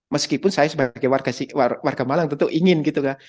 meskipun saya sebagai warga malang tentu ingin gitu kan